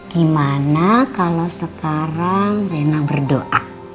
gimana kalau sekarang rena berdoa